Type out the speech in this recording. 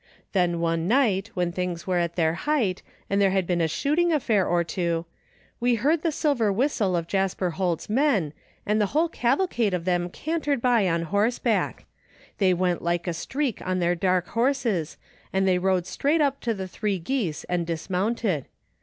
Then one night when things were at their height, and there had been a shooting affair or two, we heard the silver whistle of Jasper Holt's men, and the whole cavalcade of them cantered by on horseback. They went like a streak on their dark horses, and they rode straight up to The Three Geese and dismounted.